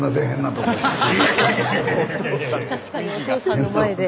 確かにお父さんの前で。